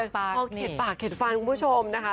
พอเข็ดปากเด็ดฟันคุณผู้ชมนะคะ